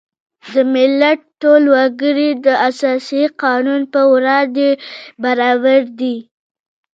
د ملت ټول وګړي د اساسي قانون په وړاندې برابر دي.